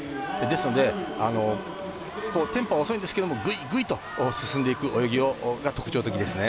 ですので、テンポは遅いんですがぐいぐいと進んでいく泳ぎが特徴的ですね。